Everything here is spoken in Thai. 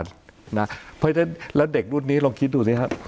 เพราะฉะนั้นแล้วเด็กรุ่นนี้ลองคิดดูสิครับ